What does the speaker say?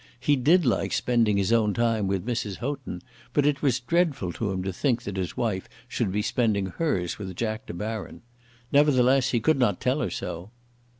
He did like spending his own time with Mrs. Houghton, but it was dreadful to him to think that his wife should be spending hers with Jack De Baron. Nevertheless he could not tell her so.